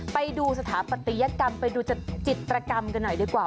ไปดูสถาปัตยกรรมไปดูจิตรกรรมกันหน่อยดีกว่า